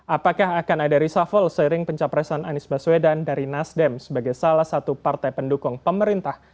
apakah akan ada reshuffle seiring pencapresan anies baswedan dari nasdem sebagai salah satu partai pendukung pemerintah